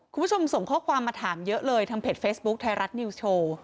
คุณผู้ชมส่งข้อความมาถามเยอะเลยทางเพจเฟซบุ๊คไทยรัฐนิวส์โชว์